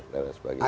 jadi kalau ada